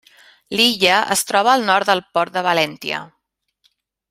L'illa es troba al nord del Port de Valentia.